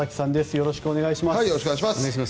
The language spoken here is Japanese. よろしくお願いします。